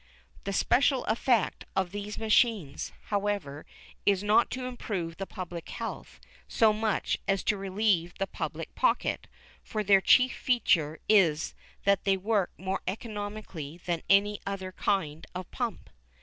The special effect of these machines, however, is not to improve the public health so much as to relieve the public pocket, for their chief feature is that they work more economically than any other kind of pump.